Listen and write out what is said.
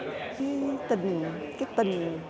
thì tự nhiên là rất là vui